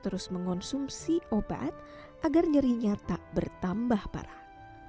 terus mengonsumsi obat agar nyerinya tak bertambah parah